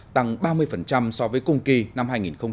tăng ba mươi so với cùng kỳ năm hai nghìn một mươi tám